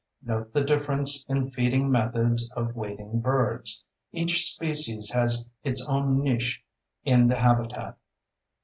Note the difference in feeding methods of wading birds; each species has its own niche in the habitat.